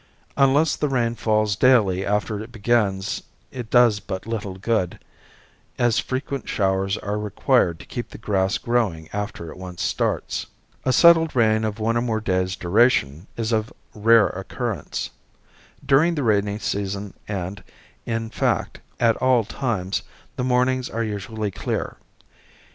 Unless the rain falls daily after it begins it does but little good, as frequent showers are required to keep the grass growing after it once starts. A settled rain of one or more days' duration is of rare occurrence. During the rainy season and, in fact, at all times, the mornings are usually clear.